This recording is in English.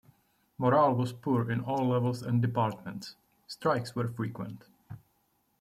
Morale was poor in all levels and departments; strikes were frequent.